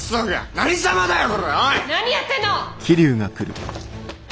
何やってんの！？